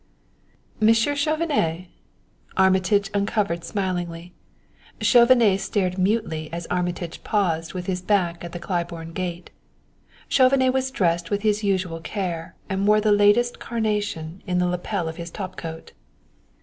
"Monsieur Chauvenet!" Armitage uncovered smilingly. Chauvenet stared mutely as Armitage paused with his back to the Claiborne gate. Chauvenet was dressed with his usual care, and wore the latest carnation in the lapel of his top coat.